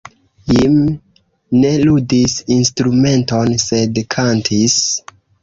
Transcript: Jim ne ludis instrumenton, sed kantis.